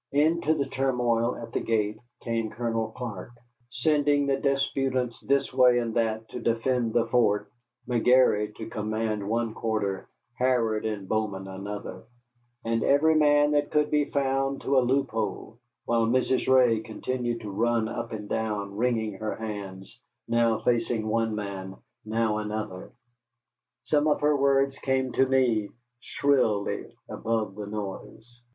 Into the turmoil at the gate came Colonel Clark, sending the disputants this way and that to defend the fort, McGary to command one quarter, Harrod and Bowman another, and every man that could be found to a loophole, while Mrs. Ray continued to run up and down, wringing her hands, now facing one man, now another. Some of her words came to me, shrilly, above the noise.